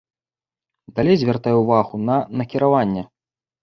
Далей звяртае ўвагу на накіраванне.